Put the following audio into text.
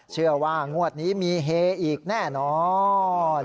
เชื่อว่างวดนี้มีเฮอีกแน่นอน